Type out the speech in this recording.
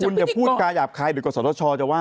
คุณอย่าพูดกาหยาบคลายดูกับสรชาวจะว่า